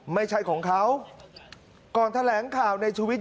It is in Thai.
ไม่ใช่ของเขาก่อนแถลงข่าวในชุวิต